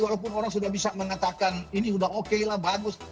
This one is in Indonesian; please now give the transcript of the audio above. walaupun orang sudah bisa mengatakan ini sudah oke lah bagus